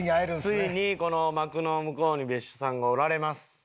ついにこの幕の向こうに別所さんがおられます。